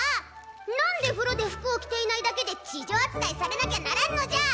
何で風呂で服を着ていないだけで痴女扱いされなきゃならんのじゃ！